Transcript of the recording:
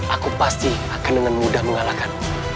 aku pasti akan dengan mudah mengalahkan